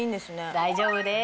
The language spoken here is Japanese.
大丈夫です。